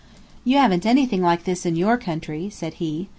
"You haven't anything like this in your country," said he.